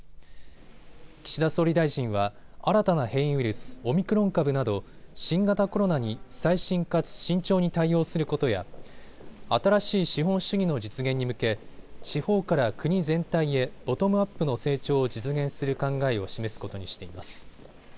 岸田総理大臣は新たな変異ウイルス、オミクロン株など新型コロナに細心かつ慎重に対応することや新しい資本主義の実現に向け、地方から国全体へボトムアップの成長を実現する考えを示すことにしています。